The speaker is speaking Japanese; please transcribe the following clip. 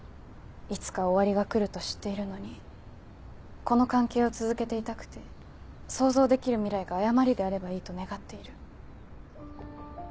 いつか終わりが来ると知っているのにこの関係を続けていたくて想像できる未来が誤りであればいいと願っている。